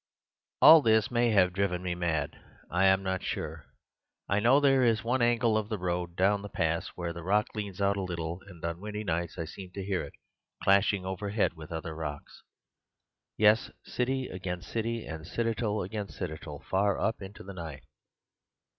"All this may have driven me mad; I am not sure. I know there is one angle of the road down the pass where the rock leans out a little, and on windy nights I seem to hear it clashing overhead with other rocks— yes, city against city and citadel against citadel, far up into the night.